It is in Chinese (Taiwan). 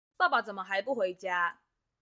爸爸怎麼還不回家